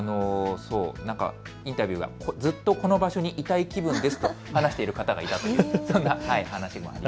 インタビューでずっとこの場所にいたい気分ですと話している方がいたそうです。